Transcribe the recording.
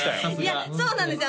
いやそうなんですよ